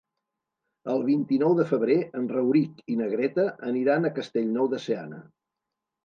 El vint-i-nou de febrer en Rauric i na Greta aniran a Castellnou de Seana.